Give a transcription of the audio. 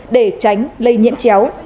để tránh lây nhiễm chéo